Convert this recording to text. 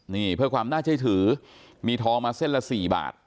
นี่เพื่อความน่าเชื่อถือมีทองมาเส้นละ๔บาท